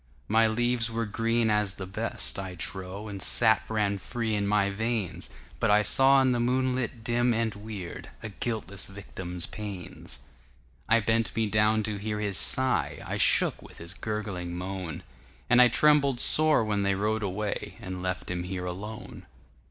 My leaves were green as the best, I trow, And sap ran free in my veins, But I saw in the moonlight dim and weirdA guiltless victim's pains.I bent me down to hear his sigh;I shook with his gurgling moan, And I trembled sore when they rode away, And left him here alone.